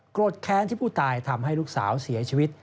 แค้นที่ผู้ตายทำให้ลูกสาวเสียชีวิต